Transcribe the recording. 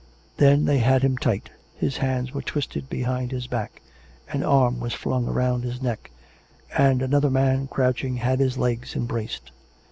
Then they had him tight; his hands were twisted behind his back; an arm was flung round his neck; and another man, crouching, had his legs embraced.